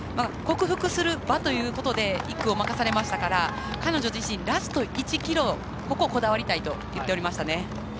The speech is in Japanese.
克服する場ということで１区を任されましたから彼女自身ラスト１ｋｍここをこだわりたいと言っておりました。